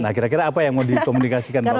nah kira kira apa yang mau dikomunikasikan pak prabowo